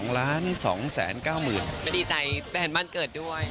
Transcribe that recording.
ก็ดีใจแฟนบ้านเกิดด้วย